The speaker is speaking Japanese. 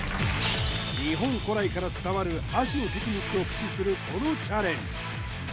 日本古来から伝わる箸のテクニックを駆使するこのチャレンジ